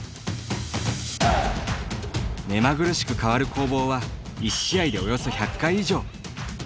目まぐるしく変わる攻防は１試合で、およそ１００回以上。